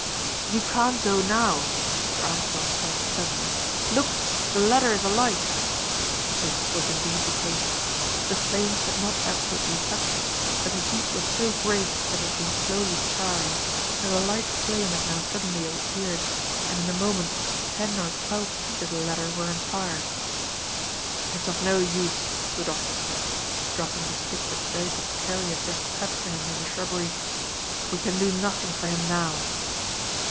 "You can't go now," Mr. Armstrong said, suddenly; "look, the ladder is alight." This was indeed the case. The flames had not absolutely touched it, but the heat was so great that it had been slowly charring, and a light flame had now suddenly appeared, and in a moment ten or twelve feet of the ladder were on fire. "It is of no use," the doctor said, dropping the stick that Jacob Carey had just cut for him in the shrubbery; "we can do nothing for him now."